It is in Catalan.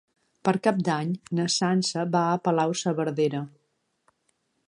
Per Cap d'Any na Sança va a Palau-saverdera.